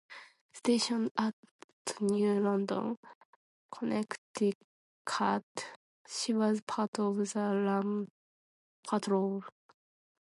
Stationed at New London, Connecticut, she was part of the Rum Patrol.